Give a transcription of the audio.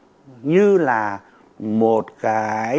mà có thể coi như là một cái nhiệm vụ đặc biệt